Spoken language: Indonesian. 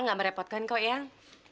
nggak merepotkan kau eyang